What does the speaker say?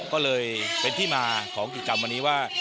ก็เลยเป็นที่มาของกิจกรรมวันนี้ว่า